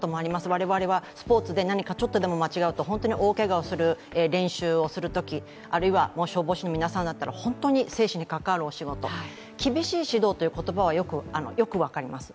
我々はスポーツで何かちょっとでも間違うと大けがをする練習をするとき、あるいは消防士の皆さんだったら、本当に精神に関わるお仕事厳しい指導という言葉はよく分かります。